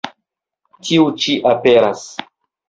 Tiu ĉi aperas.